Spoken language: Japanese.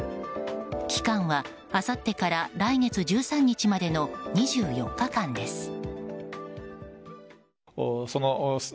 期間はあさってから来月１３日までの２４日間です。